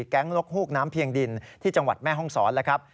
แก๊งลกฮูกน้ำเพียงดินที่จังหวัดแม่ห้องศรแล้วครับ